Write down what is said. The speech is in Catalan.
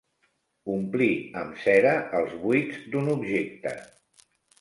Omplir amb cera els buits d'un objecte.